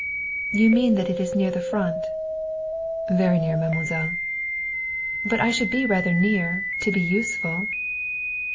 "You mean that it is near the Front?" "Very near, mademoiselle." "But I should be rather near, to be useful."